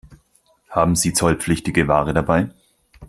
Haben Sie zollpflichtige Ware dabei?